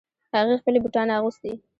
هغې خپلې بوټان اغوستې